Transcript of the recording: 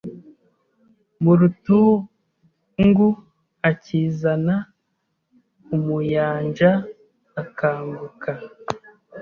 Mu Rutungu akizana Umuyanja akambuka